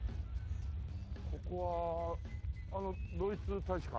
ここはドイツ大使館？